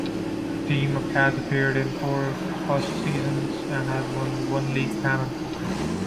The team has appeared in four postseasons and has won one league pennant.